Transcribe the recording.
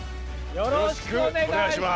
よろしくお願いします